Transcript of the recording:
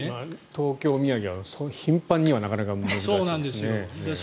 東京土産は頻繁にはなかなか難しいですね。